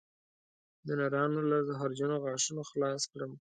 د نرانو له زهرجنو غاښونو خلاص کړم